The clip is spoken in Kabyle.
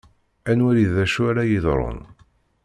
Ad nwali d acu ara yeḍṛun.